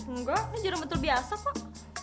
enggak ini jarum betul biasa kok